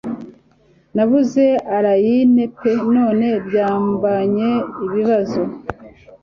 Nabuze Allayne pe none byambanye ibibazo?